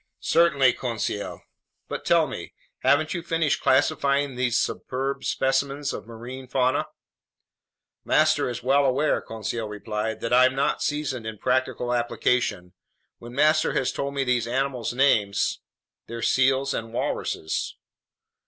"Certainly, Conseil. But tell me, haven't you finished classifying these superb specimens of marine fauna?" "Master is well aware," Conseil replied, "that I'm not seasoned in practical application. When master has told me these animals' names ..." "They're seals and walruses."